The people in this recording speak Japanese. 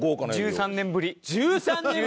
１３年ぶりに！？